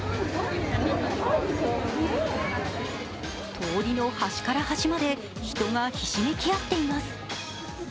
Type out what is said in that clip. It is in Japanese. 通りの端から端まで人がひしめき合っています。